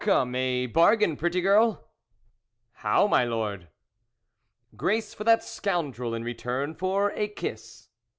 Come, a bargain, pretty girl !"" How, my Lord ?"" Grace for that scoundrel in return for a kiss."